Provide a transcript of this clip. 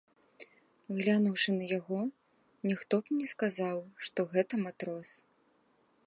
Глянуўшы на яго, ніхто б не сказаў, што гэта матрос.